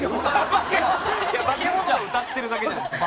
いや化け物が歌ってるだけじゃないですか。